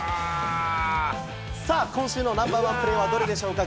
さあ、今週のナンバー１プレーはどれでしょうか。